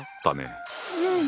うん。